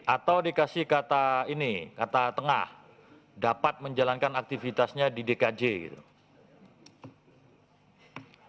atau dikasih kata ini kata tengah dapat menjalankan aktivitasnya di dkj gitu